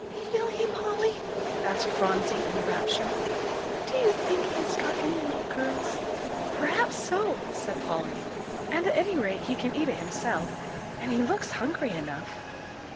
"Will he, Polly?" asked Phronsie, in a rapture; "and do you think he has got any little girls?" "Perhaps so," said Polly, "and at any rate, he can eat it himself. And he looks hungry enough."